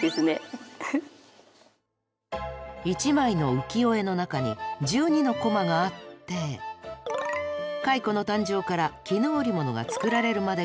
一枚の浮世絵の中に１２のコマがあって蚕の誕生から絹織物が作られるまでが描かれているんですが。